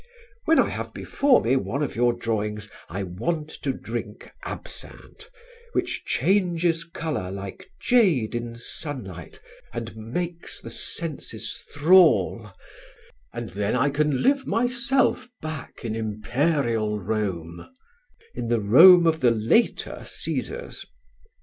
"When I have before me one of your drawings I want to drink absinthe, which changes colour like jade in sunlight and takes the senses thrall, and then I can live myself back in imperial Rome, in the Rome of the later Cæsars."